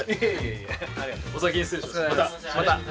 お先に失礼します